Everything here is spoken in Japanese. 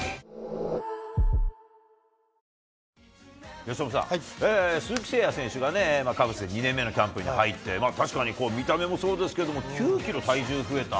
由伸さん、鈴木誠也選手がカブス２年目のキャンプに入って、確かに見た目もそうですけど、９キロ体重増えた。